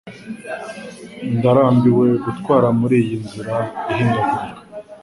Ndarambiwe gutwara muri iyi nzira ihindagurika.